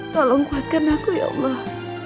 tolong kuatkan aku ya allah